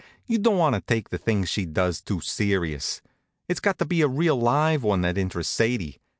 you don't want to take the things she does too serious. It's got to be a real live one that interests Sadie.